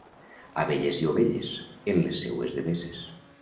Abelles i ovelles, en les seues deveses.